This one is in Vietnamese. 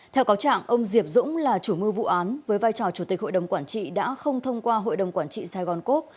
theo cáo trạng ông diệp dũng là chủ mưu vụ án với vai trò chủ tịch hội đồng quản trị đã không thông qua hội đồng quản trị sài gòn cốp